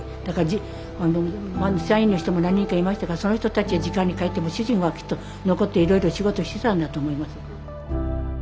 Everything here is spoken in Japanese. だから社員の人も何人かいましたがその人たちは時間に帰っても主人はきっと残っていろいろ仕事してたんだと思います。